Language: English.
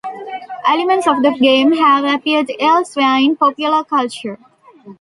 Elements of the game have appeared elsewhere in popular culture.